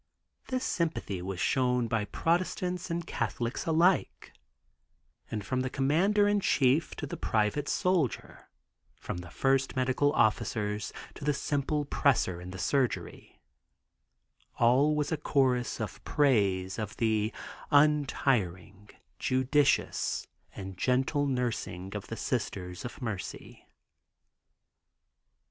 This sympathy was shown by Protestants and Catholics alike, and from the commander in chief to the private soldier, from the first medical officers to the simple presser in the surgery, all was a chorus in praise of the "untiring, judicious and gentle nursing of the Sisters of Mercy."